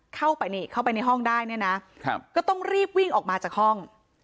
เข้าไปนี่เข้าไปในห้องได้เนี่ยนะก็ต้องรีบวิ่งออกมาจากห้อง